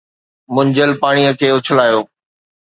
منجهيل پاڻيءَ کي اُڇلايو.